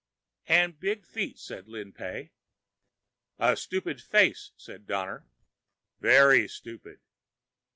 "And big feet," said Lin Pey. "A stupid face," said Donner. "Very stupid."